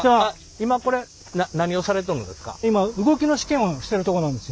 今これ何をされとるんですか？